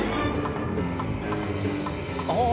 ああ。